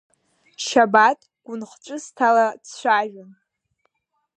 Шьабаҭ гәынхәҵысҭала дцәажәон…